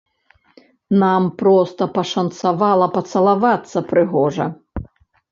Нам проста пашанцавала пацалавацца прыгожа.